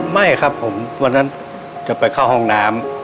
ไม่ครับผมวันนั้นจะไปเข้าห้องน้ำ